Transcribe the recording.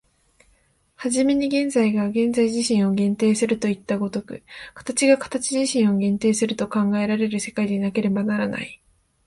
始めに現在が現在自身を限定するといった如く、形が形自身を限定すると考えられる世界でなければならない。